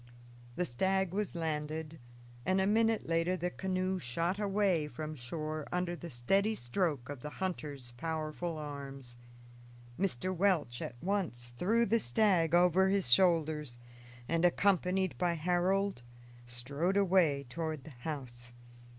The stag was landed, and a minute later the canoe shot away from shore under the steady stroke of the hunter's powerful arms. Mr. Welch at once threw the stag over his shoulders and, accompanied by Harold, strode away toward the house.